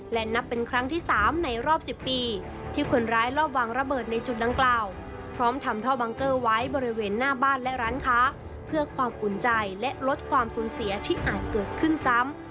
และนับเป็นครั้งที่๓ในรอบ๑๐ปีที่คนร้ายรอบวางระเบิดในจุดดังกล่าวพร้อมทำท่อบังเกอร์ไว้บริเวณหน้าบ้านและร้านค้าเพื่อความอุ่นใจและลดความสูญเสียที่อาจเกิดขึ้นซ้ำ